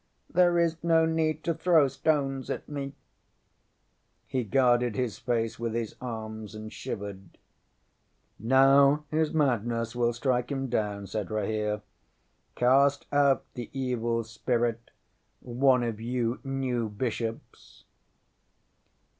There is no need to throw stones at me. ŌĆØ He guarded his face with his arms, and shivered. ŌĆ£Now his madness will strike him down, ŌĆØ said Rahere. ŌĆ£Cast out the evil spirit, one of you new bishops.